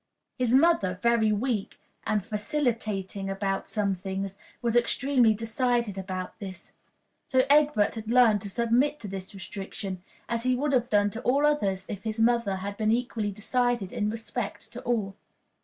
His mother, very weak and vacillating about some things, was extremely decided about this. So Egbert had learned to submit to this restriction, as he would have done to all others if his mother had been equally decided in respect to all.